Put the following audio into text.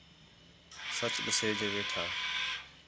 سچ ݙسے جے ویٹھا